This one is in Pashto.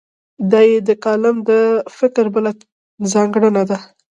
دا یې د کالم د فکر بله ځانګړنه ده.